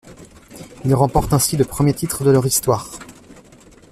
Ils remportent ainsi le premier titre de leur histoire.